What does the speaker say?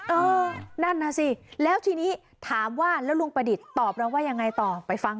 เออนั่นน่ะสิแล้วทีนี้ถามว่าแล้วลุงประดิษฐ์ตอบเราว่ายังไงต่อไปฟัง